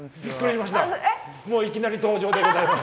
もういきなり登場でございます。